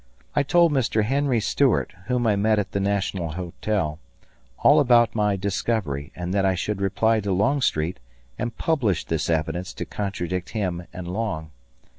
I told Mr. Henry Stuart, whom I met at the National Hotel, all about my discovery and that I should reply to Longstreet and publish this evidence to contradict him and Long.